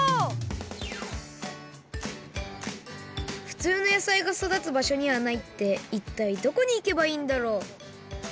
ふつうの野菜がそだつ場所にはないっていったいどこにいけばいいんだろう？